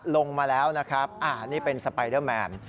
ลงมาแล้วนะครับนี่เป็นสไปเดอร์แมน